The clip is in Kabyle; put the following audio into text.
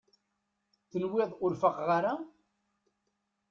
Tenwiḍ ur faqeɣ ara?